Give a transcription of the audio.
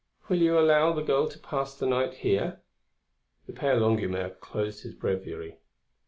Will you allow the girl to pass the night here?" The Père Longuemare closed his breviary.